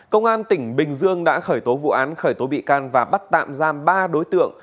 công an tỉnh bình dương đã khởi tố vụ án khởi tố bị can và bắt tạm giam ba đối tượng